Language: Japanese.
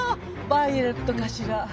バイオレットかしら？